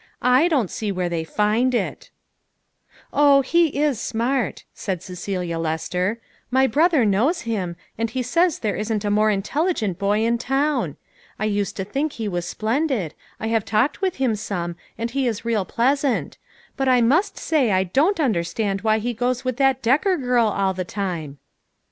I don't see where they find it." "O, he is smart," said Cecelia Lester. " My brother knows him, and he says there isn't a 154 LITTLE FISHERS : AND THEIR NETS. more intelligent boy in town. I used to think he was splendid ; I have talked with him some, and he is real pleasant; but I must say I don't understand why he goes with that Decker girl all the time."